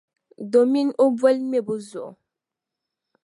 domin o boli ŋmɛbo zuɣu.